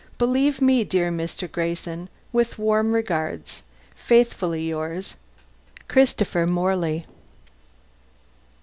Believe me, dear Mr. Grayson, with warm regards, Faithfully yours, CHRISTOPHER MORLEY.